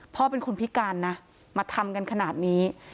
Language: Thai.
พ่อเป็นคนพิการนะมาทำกันขนาดนี้